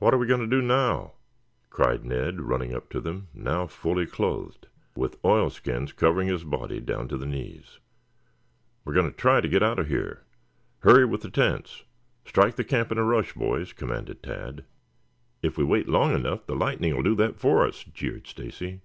"What are we going to do now?" cried Ned running up to them, now fully clothed, with oilskins covering his body down to the knees. "We are going to try to get out of here. Hurry with the tents. Strike the camp in a rush, boys!" commanded Tad. "If we wait long enough the lightning will do that for us," jeered Stacy.